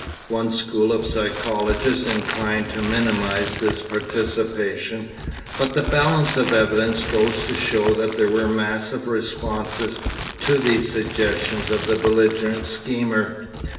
One school of psychologists inclined to minimise this participation, but the balance of evidence goes to show that there were massive responses to these suggestions of the belligerent schemer.